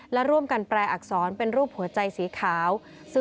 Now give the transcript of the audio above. และร่วมกันแปลอักษรเป็นรูปหัวใจสีขาว